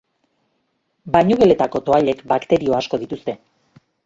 Bainugeletako toallek bakterio asko dituzte.